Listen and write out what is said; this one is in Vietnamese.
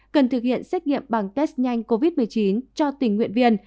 cần thực hiện xét nghiệm bằng test nhanh covid một mươi chín cho tình nguyện viên